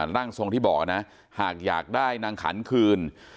ร่างทรงที่บอกนะหากอยากได้นางขันคืน